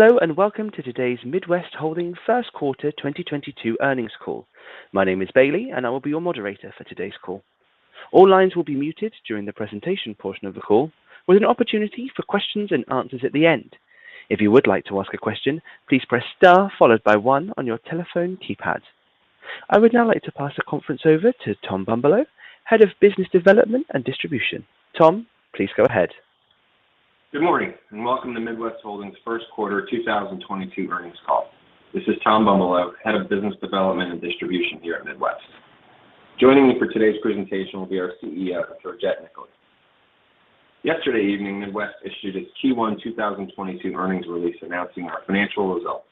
Hello, and welcome to today's Midwest Holding first quarter 2022 earnings call. My name is Bailey, and I will be your moderator for today's call. All lines will be muted during the presentation portion of the call, with an opportunity for questions and answers at the end. If you would like to ask a question, please press star followed by one on your telephone keypad. I would now like to pass the conference over to Tom Bumbolow, Head of Business Development and Distribution. Tom, please go ahead. Good morning, and welcome to Midwest Holding first quarter 2022 earnings call. This is Tom Bumbalough, Head of Business Development and Distribution here at Midwest. Joining me for today's presentation will be our CEO, Georgette Nicholas. Yesterday evening, Midwest issued its Q1 2022 earnings release announcing our financial results.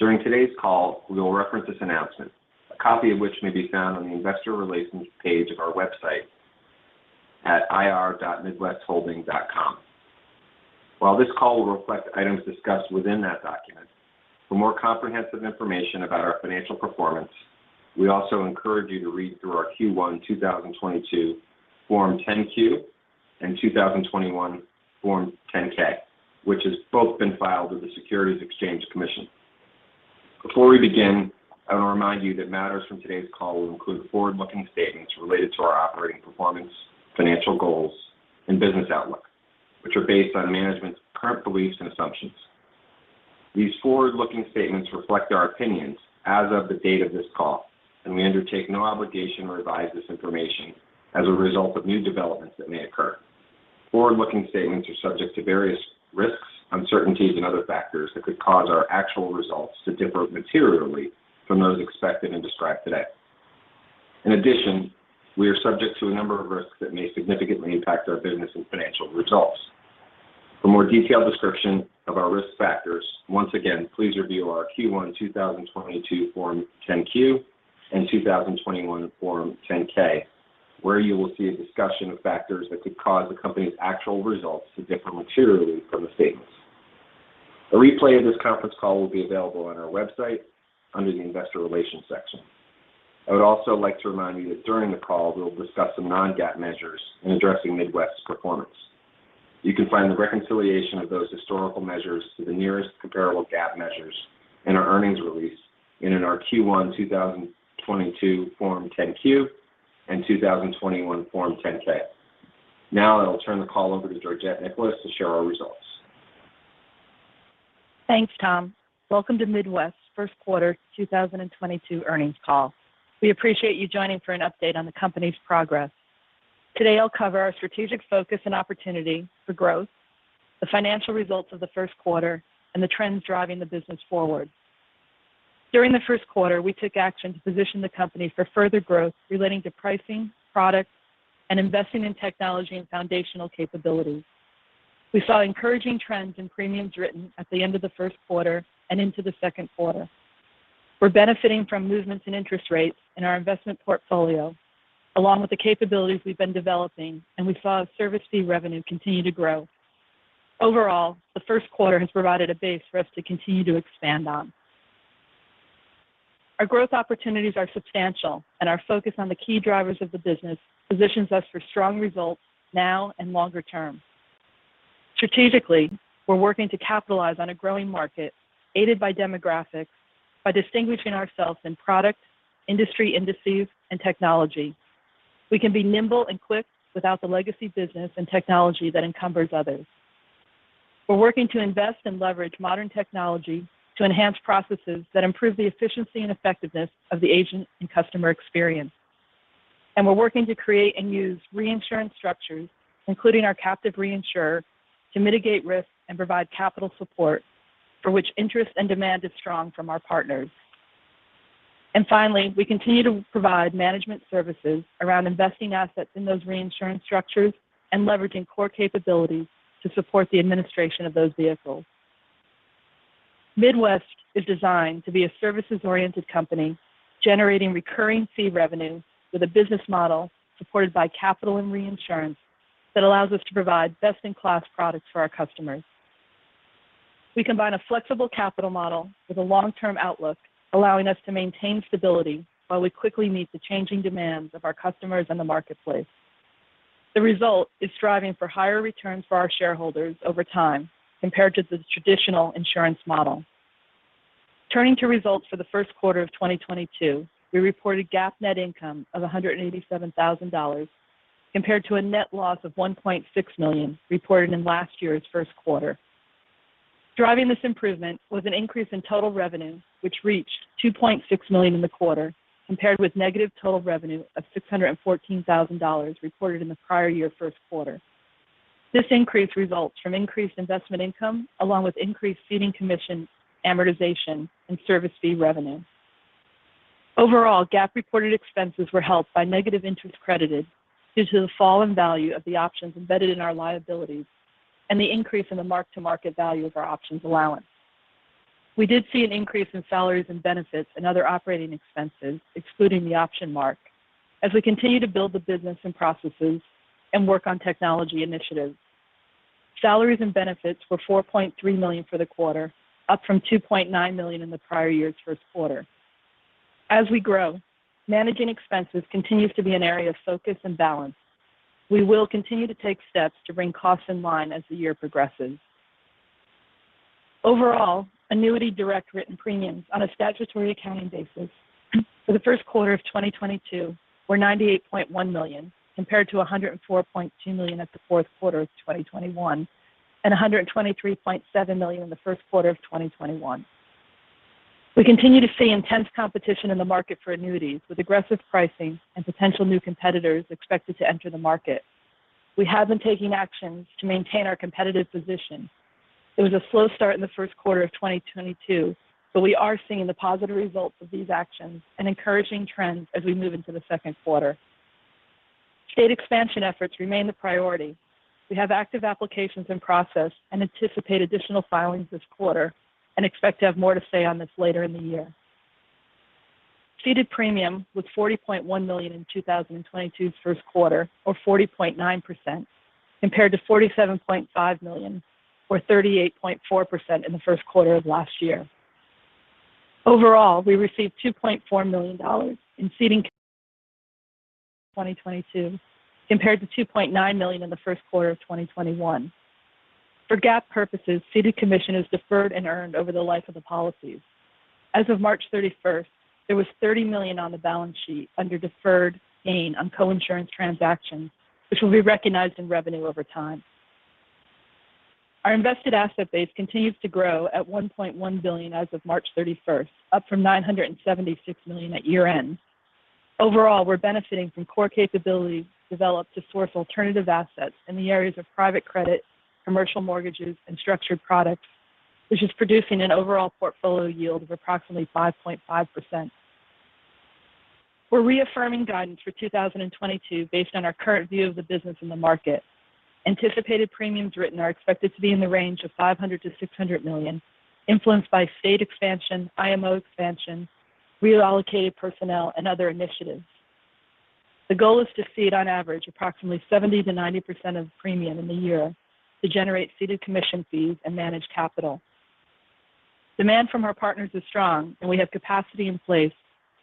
During today's call, we will reference this announcement, a copy of which may be found on the investor relations page of our website at ir.midwestholding.com. While this call will reflect items discussed within that document, for more comprehensive information about our financial performance, we also encourage you to read through our Q1 2022 Form 10-Q and 2021 Form 10-K, which has both been filed with the Securities and Exchange Commission. Before we begin, I want to remind you that matters from today's call will include forward-looking statements related to our operating performance, financial goals, and business outlook, which are based on management's current beliefs and assumptions. These forward-looking statements reflect our opinions as of the date of this call, and we undertake no obligation to revise this information as a result of new developments that may occur. Forward-looking statements are subject to various risks, uncertainties, and other factors that could cause our actual results to differ materially from those expected and described today. In addition, we are subject to a number of risks that may significantly impact our business and financial results. For more detailed description of our risk factors, once again, please review our Q1 2022 Form 10-Q and 2021 Form 10-K, where you will see a discussion of factors that could cause the company's actual results to differ materially from the statements. A replay of this conference call will be available on our website under the Investor Relations section. I would also like to remind you that during the call, we'll discuss some non-GAAP measures in addressing Midwest's performance. You can find the reconciliation of those historical measures to the nearest comparable GAAP measures in our earnings release and in our Q1 2022 Form 10-Q and 2021 Form 10-K. Now I'll turn the call over to Georgette Nicholas to share our results. Thanks, Tom. Welcome to Midwest's first quarter 2022 earnings call. We appreciate you joining for an update on the company's progress. Today, I'll cover our strategic focus and opportunity for growth, the financial results of the first quarter, and the trends driving the business forward. During the first quarter, we took action to position the company for further growth relating to pricing, products, and investing in technology and foundational capabilities. We saw encouraging trends in premiums written at the end of the first quarter and into the second quarter. We're benefiting from movements in interest rates in our investment portfolio along with the capabilities we've been developing, and we saw service fee revenue continue to grow. Overall, the first quarter has provided a base for us to continue to expand on. Our growth opportunities are substantial and our focus on the key drivers of the business positions us for strong results now and longer term. Strategically, we're working to capitalize on a growing market aided by demographics by distinguishing ourselves in products, industry indices, and technology. We can be nimble and quick without the legacy business and technology that encumbers others. We're working to invest and leverage modern technology to enhance processes that improve the efficiency and effectiveness of the agent and customer experience. We're working to create and use reinsurance structures, including our captive reinsurer, to mitigate risk and provide capital support for which interest and demand is strong from our partners. We continue to provide management services around investing assets in those reinsurance structures and leveraging core capabilities to support the administration of those vehicles. Midwest is designed to be a services-oriented company generating recurring fee revenue with a business model supported by capital and reinsurance that allows us to provide best-in-class products for our customers. We combine a flexible capital model with a long-term outlook, allowing us to maintain stability while we quickly meet the changing demands of our customers in the marketplace. The result is striving for higher returns for our shareholders over time compared to the traditional insurance model. Turning to results for the first quarter of 2022, we reported GAAP net income of $187,000 compared to a net loss of $1.6 million reported in last year's first quarter. Driving this improvement was an increase in total revenue, which reached $2.6 million in the quarter, compared with negative total revenue of $614,000 reported in the prior year first quarter. This increase results from increased investment income along with increased ceding commission, amortization, and service fee revenue. Overall, GAAP reported expenses were helped by negative interest credited due to the fall in value of the options embedded in our liabilities and the increase in the mark-to-market value of our options allowance. We did see an increase in salaries and benefits and other operating expenses, excluding the option mark, as we continue to build the business and processes and work on technology initiatives. Salaries and benefits were $4.3 million for the quarter, up from $2.9 million in the prior year's first quarter. As we grow, managing expenses continues to be an area of focus and balance. We will continue to take steps to bring costs in line as the year progresses. Overall, annuity direct written premiums on a statutory accounting basis for the first quarter of 2022 were $98.1 million, compared to $104.2 million at the fourth quarter of 2021, and $123.7 million in the first quarter of 2021. We continue to see intense competition in the market for annuities, with aggressive pricing and potential new competitors expected to enter the market. We have been taking actions to maintain our competitive position. It was a slow start in the first quarter of 2022, but we are seeing the positive results of these actions and encouraging trends as we move into the second quarter. State expansion efforts remain the priority. We have active applications in process and anticipate additional filings this quarter and expect to have more to say on this later in the year. Ceded premium was $40.1 million in 2022's first quarter or 40.9%, compared to $47.5 million or 38.4% in the first quarter of last year. Overall, we received $2.4 million in ceding 2022, compared to $2.9 million in the first quarter of 2021. For GAAP purposes, ceded commission is deferred and earned over the life of the policies. As of March 31, there was $30 million on the balance sheet under deferred gain on coinsurance transactions, which will be recognized in revenue over time. Our invested asset base continues to grow at $1.1 billion as of March 31, up from $976 million at year-end. Overall, we're benefiting from core capabilities developed to source alternative assets in the areas of private credit, commercial mortgages, and structured products, which is producing an overall portfolio yield of approximately 5.5%. We're reaffirming guidance for 2022 based on our current view of the business in the market. Anticipated premiums written are expected to be in the range of $500 million-$600 million, influenced by state expansion, IMO expansion, reallocated personnel, and other initiatives. The goal is to cede on average approximately 70%-90% of premium in the year to generate ceded commission fees and manage capital. Demand from our partners is strong, and we have capacity in place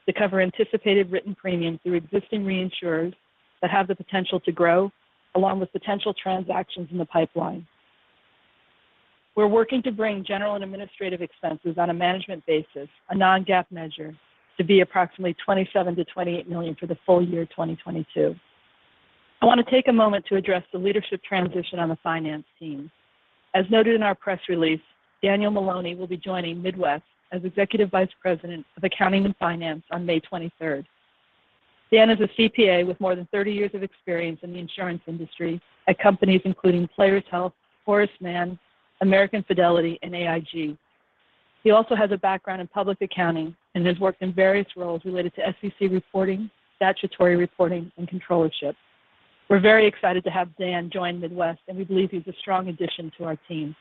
to cover anticipated written premiums through existing reinsurers that have the potential to grow, along with potential transactions in the pipeline. We're working to bring general and administrative expenses on a management basis, a non-GAAP measure, to be approximately $27 million-$28 million for the full year 2022. I want to take a moment to address the leadership transition on the finance team. As noted in our press release, Daniel Maloney will be joining Midwest as Executive Vice President of Accounting and Finance on May 23. Dan is a CPA with more than 30 years of experience in the insurance industry at companies including Players Health, Forethought, American Fidelity, and AIG. He also has a background in public accounting and has worked in various roles related to SEC reporting, statutory reporting, and controllership. We're very excited to have Dan join Midwest, and we believe he's a strong addition to our team.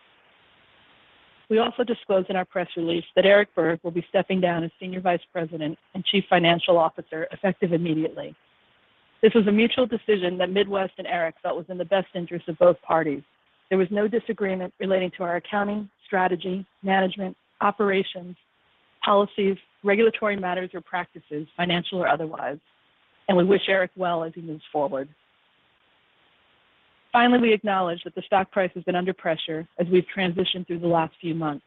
We also disclosed in our press release that Eric Berg will be stepping down as Senior Vice President and Chief Financial Officer, effective immediately. This was a mutual decision that Midwest and Eric felt was in the best interest of both parties. There was no disagreement relating to our accounting, strategy, management, operations, policies, regulatory matters or practices, financial or otherwise, and we wish Eric well as he moves forward. Finally, we acknowledge that the stock price has been under pressure as we've transitioned through the last few months.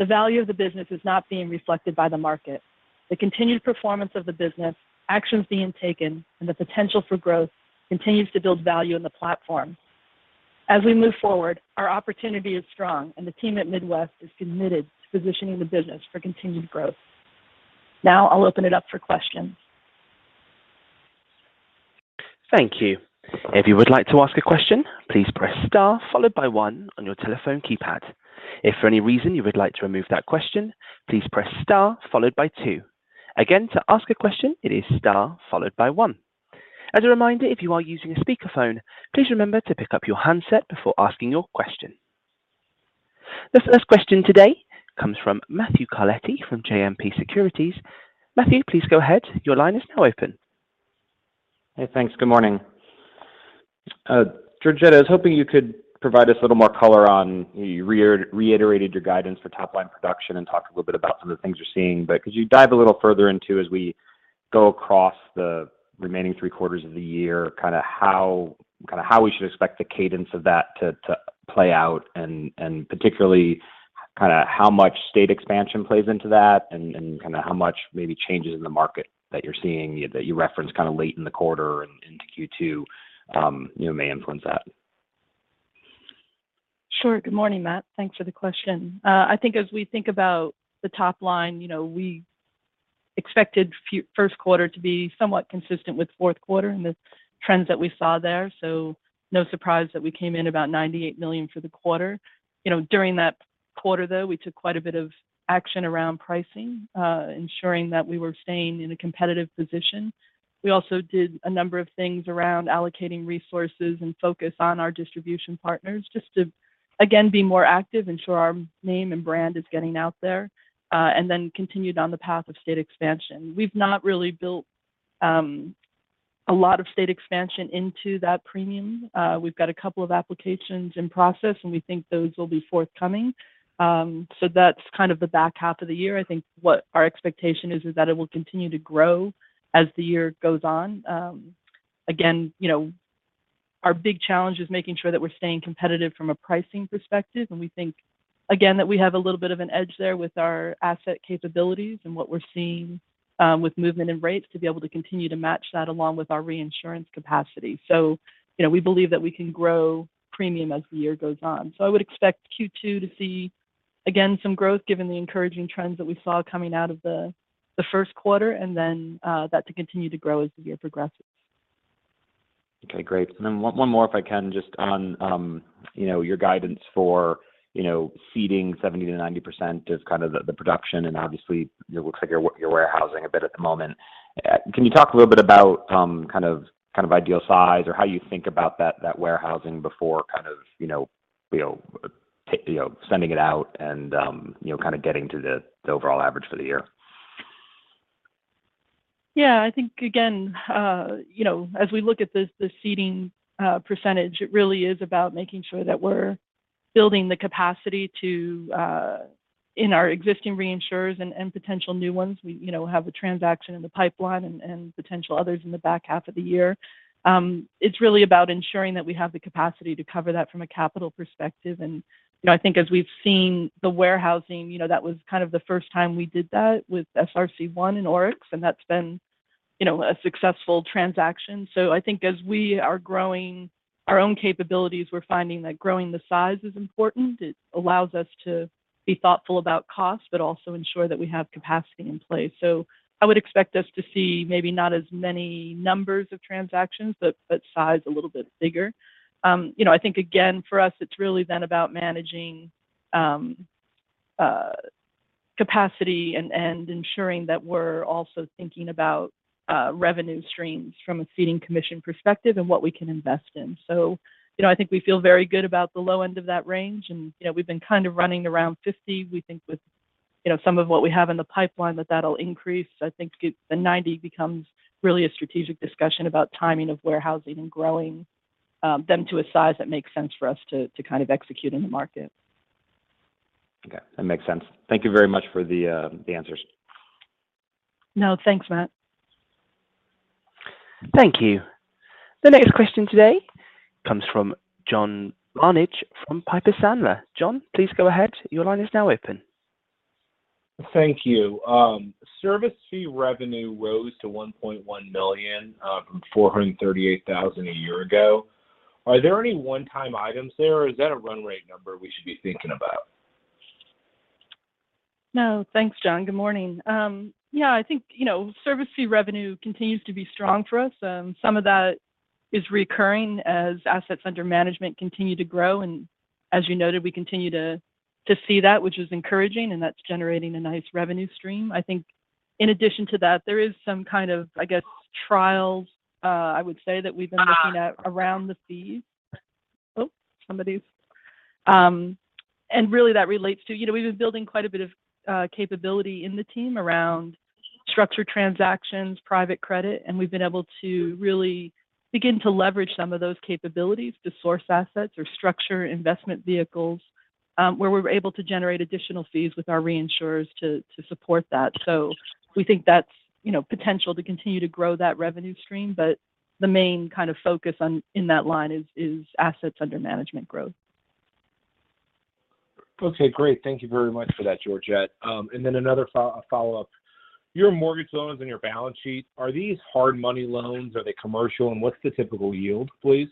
The value of the business is not being reflected by the market. The continued performance of the business, actions being taken, and the potential for growth continues to build value in the platform. As we move forward, our opportunity is strong, and the team at Midwest is committed to positioning the business for continued growth. Now I'll open it up for questions. Thank you. If you would like to ask a question, please press star followed by one on your telephone keypad. If for any reason you would like to remove that question, please press star followed by two. Again, to ask a question, it is star followed by one. As a reminder, if you are using a speakerphone, please remember to pick up your handset before asking your question. The first question today comes from Matthew Carletti from JMP Securities. Matthew, please go ahead. Your line is now open. Hey, thanks. Good morning. Georgette, I was hoping you could provide us a little more color on your reiterated your guidance for top-line production and talk a little bit about some of the things you're seeing. Could you dive a little further into as we go across the remaining three quarters of the year, kind of how we should expect the cadence of that to play out and particularly kind of how much state expansion plays into that and kind of how much maybe changes in the market that you're seeing that you referenced kind of late in the quarter and into Q2, you know, may influence that? Sure. Good morning, Matt. Thanks for the question. I think as we think about the top line, you know, we expected first quarter to be somewhat consistent with fourth quarter and the trends that we saw there. No surprise that we came in about $98 million for the quarter. You know, during that quarter, though, we took quite a bit of action around pricing, ensuring that we were staying in a competitive position. We also did a number of things around allocating resources and focus on our distribution partners just to, again, be more active, ensure our name and brand is getting out there, and then continued on the path of state expansion. We've not really built, A lot of state expansion into that premium. We've got a couple of applications in process, and we think those will be forthcoming. That's kind of the back half of the year. I think what our expectation is that it will continue to grow as the year goes on. Again, you know, our big challenge is making sure that we're staying competitive from a pricing perspective, and we think again, that we have a little bit of an edge there with our asset capabilities and what we're seeing with movement and rates to be able to continue to match that along with our reinsurance capacity. You know, we believe that we can grow premium as the year goes on. I would expect Q2 to see, again, some growth given the encouraging trends that we saw coming out of the first quarter, and then that to continue to grow as the year progresses. Okay, great. Then one more if I can, just on, you know, your guidance for, you know, ceding 70%-90% is kind of the production and obviously it looks like you're warehousing a bit at the moment. Can you talk a little bit about, kind of ideal size or how you think about that warehousing before kind of, you know, sending it out and, you know, kind of getting to the overall average for the year? Yeah. I think again, you know, as we look at this, the ceding percentage, it really is about making sure that we're building the capacity to in our existing reinsurers and potential new ones. We, you know, have the transaction in the pipeline and potential others in the back half of the year. It's really about ensuring that we have the capacity to cover that from a capital perspective. I think as we've seen the warehousing, you know, that was kind of the first time we did that with SRC1 and ORIX, and that's been, you know, a successful transaction. I think as we are growing our own capabilities, we're finding that growing the size is important. It allows us to be thoughtful about cost, but also ensure that we have capacity in place. I would expect us to see maybe not as many numbers of transactions, but size a little bit bigger. You know, I think again, for us it's really then about managing capacity and ensuring that we're also thinking about revenue streams from a ceding commission perspective and what we can invest in. You know, I think we feel very good about the low end of that range and, you know, we've been kind of running around 50. We think with, you know, some of what we have in the pipeline that that'll increase. I think to the 90 becomes really a strategic discussion about timing of warehousing and growing them to a size that makes sense for us to kind of execute in the market. Okay. That makes sense. Thank you very much for the answers. No, thanks Matt. Thank you. The next question today comes from John Barnidge from Piper Sandler. John, please go ahead. Your line is now open. Thank you. Service fee revenue rose to $1.1 million from $438,000 a year ago. Are there any one-time items there, or is that a run rate number we should be thinking about? No. Thanks John. Good morning. Yeah, I think, you know, service fee revenue continues to be strong for us. Some of that is recurring as assets under management continue to grow, and as you noted, we continue to see that which is encouraging and that's generating a nice revenue stream. I think in addition to that, there is some kind of, I guess, trials, I would say that we've been looking at around the fees. Really that relates to, you know, we've been building quite a bit of capability in the team around structured transactions, private credit, and we've been able to really begin to leverage some of those capabilities to source assets or structure investment vehicles, where we're able to generate additional fees with our reinsurers to support that. We think that's, you know, potential to continue to grow that revenue stream, but the main kind of focus on in that line is assets under management growth. Okay. Great. Thank you very much for that, Georgette. Another follow-up. Your mortgage loans and your balance sheet, are these hard money loans? Are they commercial, and what's the typical yield, please?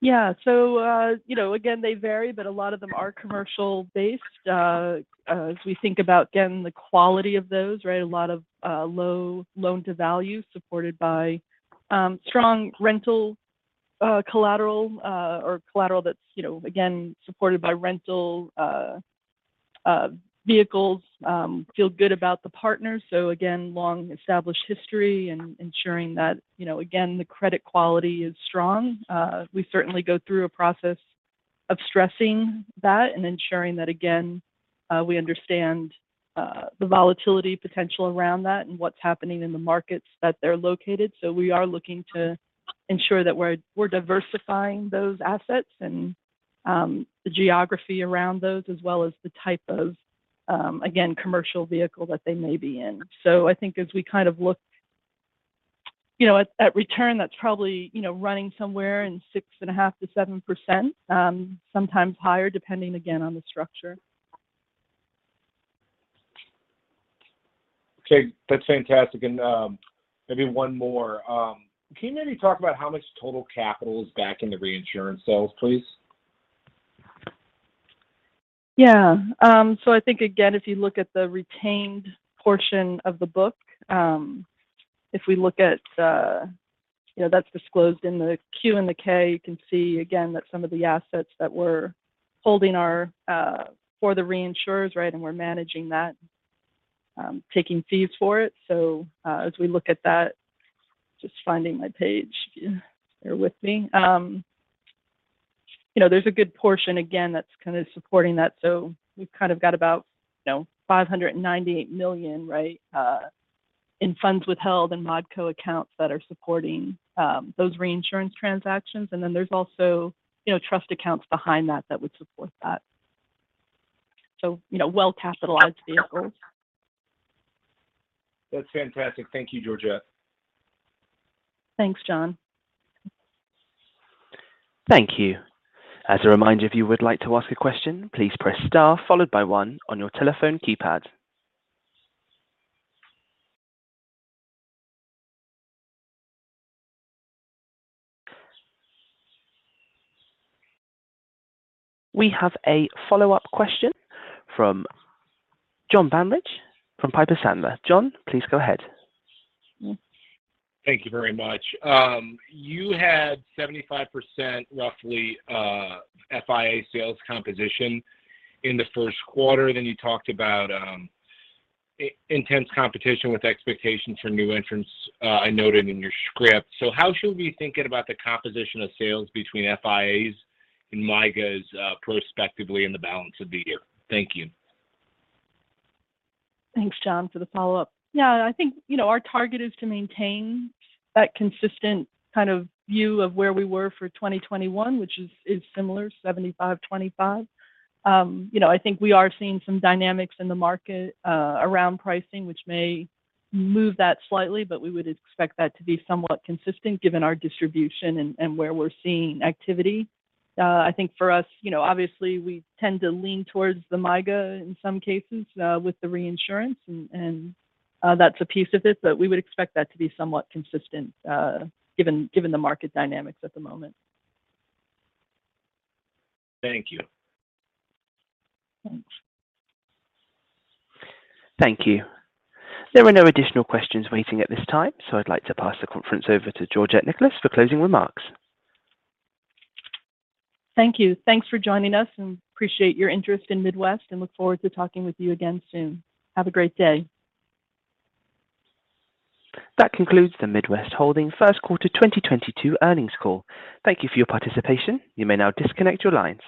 Yeah. So you know, again, they vary, but a lot of them are commercial based. As we think about again the quality of those, right? A lot of low loan-to-value supported by strong rental collateral or collateral that's, you know, again, supported by rental vehicles. Feel good about the partners. Again, long established history and ensuring that, you know, again, the credit quality is strong. We certainly go through a process of stressing that and ensuring that again we understand the volatility potential around that and what's happening in the markets that they're located. We are looking to ensure that we're diversifying those assets and the geography around those as well as the type of again commercial vehicle that they may be in. I think as we kind of look, you know, at return that's probably, you know, running somewhere in 6.5%-7%, sometimes higher depending again on the structure. Okay. That's fantastic. Maybe one more. Can you maybe talk about how much total capital is back in the reinsurance sales, please? Yeah. So I think again, if you look at the retained portion of the book, if we look at. You know, that's disclosed in the 10-Q and the 10-K. You can see again that some of the assets that we're holding are for the reinsurers, right? We're managing that, taking fees for it. As we look at that. Just finding my page. Bear with me. You know, there's a good portion again that's kind of supporting that. We've kind of got about, you know, $598 million, right, in funds withheld and ModCo accounts that are supporting those reinsurance transactions. And then there's also, you know, trust accounts behind that that would support that. You know, well-capitalized vehicles. That's fantastic. Thank you, Georgette. Thanks, John. Thank you. As a reminder, if you would like to ask a question, please press star followed by one on your telephone keypad. We have a follow-up question from John Barnidge from Piper Sandler. John, please go ahead. Thank you very much. You had 75%, roughly, FIA sales composition in the first quarter, then you talked about intense competition with expectations for new entrants, I noted in your script. How should we be thinking about the composition of sales between FIAs and MYGAs, prospectively in the balance of the year? Thank you. Thanks, John, for the follow-up. Yeah, I think, you know, our target is to maintain that consistent kind of view of where we were for 2021, which is similar, 75/25. You know, I think we are seeing some dynamics in the market around pricing, which may move that slightly, but we would expect that to be somewhat consistent given our distribution and where we're seeing activity. I think for us, you know, obviously we tend to lean towards the MYGA in some cases with the reinsurance and that's a piece of this. We would expect that to be somewhat consistent given the market dynamics at the moment. Thank you. Thanks. Thank you. There are no additional questions waiting at this time, so I'd like to pass the conference over to Georgette Nicholas for closing remarks. Thank you. Thanks for joining us and appreciate your interest in Midwest and look forward to talking with you again soon. Have a great day. That concludes the Midwest Holding first quarter 2022 earnings call. Thank you for your participation. You may now disconnect your lines.